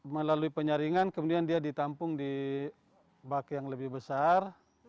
melalui penyaringan kemudian dia ditampung di bak yang lebih besar